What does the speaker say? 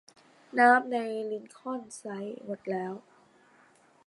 น้ำในลินคอล์นไชร์หมดแล้ว